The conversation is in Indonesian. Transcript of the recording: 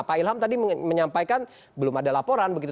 pak ilham tadi menyampaikan belum ada laporan begitu